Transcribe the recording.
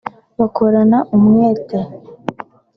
bakorana umwete